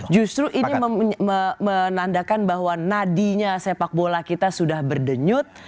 justru ini menandakan bahwa nadinya sepak bola kita sudah berdenyut